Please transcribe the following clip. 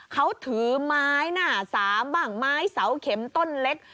เขาถือไม้หน้าสามบ้างไม้เสาเข็มต้นเล็ก